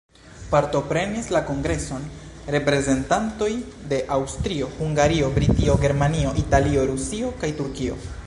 Partoprenis la kongreson reprezentantoj de Aŭstrio-Hungario, Britio, Germanio, Italio, Rusio kaj Turkio.